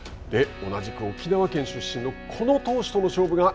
同じく沖縄県出身のこの投手との勝負が